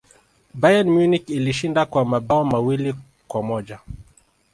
bayern munich ilishinda kwa mabao mawili kwa moja